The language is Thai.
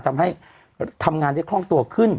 ทำให้ทำงานได้คล่องตัวขึ้น